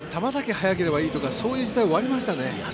やっぱり球だけ速ければいいとかそういう時代は終わりましたね。